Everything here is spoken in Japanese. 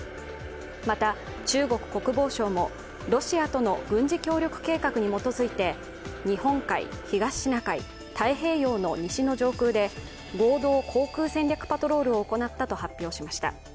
また、中国国防省も、ロシアとの軍事協力計画に基づいて日本海、東シナ海、太平洋の西の上空で合同航空戦略パトロールを行ったと発表しました。